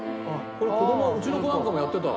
これうちの子なんかもやってた。